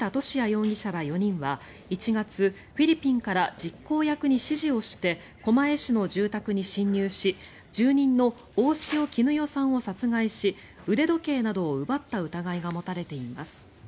容疑者ら４人は１月フィリピンから実行役に指示をして狛江市の住宅に侵入し住人の大塩衣與さんを殺害し腕時計などを奪った疑いが持たれています。